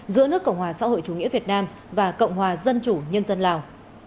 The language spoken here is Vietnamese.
giữa nước cộng hòa xã hội chủ nghĩa việt nam và cộng hòa dân chủ nhân dân lào